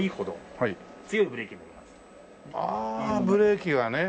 ああブレーキがね。